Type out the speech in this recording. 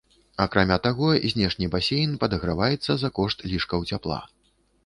Акрамя таго, знешні басейн падаграваецца за кошт лішкаў цяпла.